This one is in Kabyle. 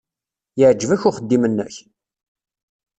Yeɛjeb-ak uxeddim-nnek?